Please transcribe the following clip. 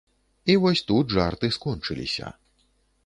І вось тут жарты скончыліся.